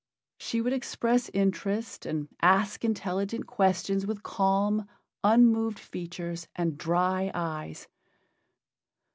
She would express interest and ask intelligent questions with calm, unmoved features and dry eyes.